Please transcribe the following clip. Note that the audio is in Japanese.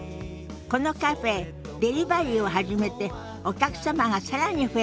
このカフェデリバリーを始めてお客様が更に増えたのよ。